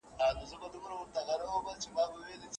موږ ګټلي دي جنګونه